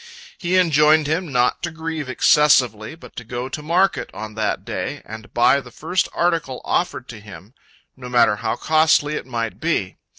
He enjoined him not to grieve excessively, but to go to market on that day, and buy the first article offered to him, no matter how costly it might be.